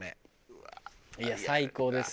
いや最高です。